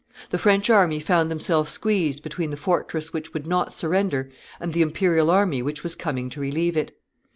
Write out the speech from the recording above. The French army found themselves squeezed between the fortress which would not surrender and the imperial army which was coming to relieve it.